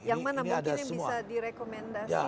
yang mana mungkin bisa direkomendasi